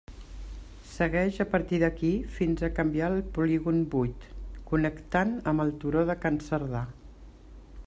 Segueix a partir d'aquí fins a canviar al polígon vuit, connectant amb el turó de Can Cerdà.